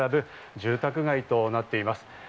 住宅街となっています。